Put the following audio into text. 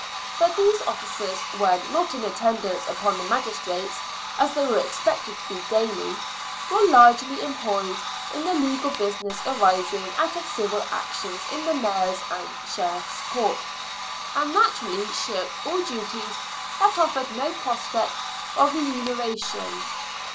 But these officers, when not in attendance upon the magistrates, as they were expected to be daily, were largely employed in the legal business arising out of civil actions in the Mayor's and Sheriffs' Courts, and naturally shirked all duties that offered no prospect of remuneration.